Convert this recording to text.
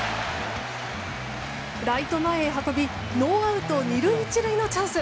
ライト前へ運びノーアウト２塁１塁のチャンス。